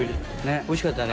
おいしかったね。